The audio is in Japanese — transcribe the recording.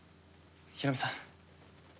ヒロミさん。